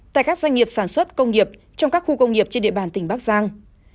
tại các doanh nghiệp sản xuất công nghiệp trong các khu công nghiệp trên địa bàn tỉnh bắc giang